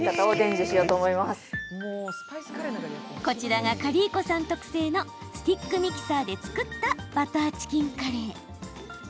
こちらがカリー子さん特製のスティックミキサーで作ったバターチキンカレー。